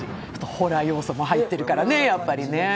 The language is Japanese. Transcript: ホラー要素も入ってるからね、やっぱり。